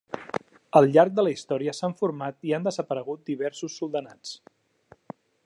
Al llarg de la història s'han format i han desaparegut diversos soldanats.